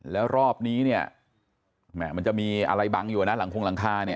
แล้วรอบนี้เนี่ยมันจะมีอะไรบังอยู่นะหลังคาเนี่ย